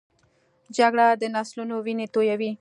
جګړه د نسلونو وینې تویوي